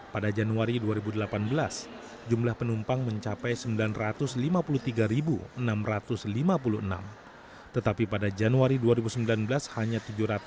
pada januari dua ribu delapan belas jumlah penumpang mencapai sembilan ratus lima puluh tiga enam ratus lima puluh enam tetapi pada januari dua ribu sembilan belas hanya tujuh ratus tiga puluh